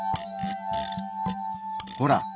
ほら！